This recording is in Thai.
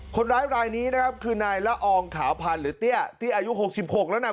คนร้ายนี้นะครับคือนายละอองขาวพันธ์หรือเตี้ยที่อายุหกสิบหกแล้วนะครับ